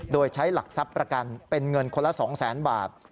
โดยใช้หลักทรัพย์ประกันเป็นเงินคนละ๒๐๐๐๐บาท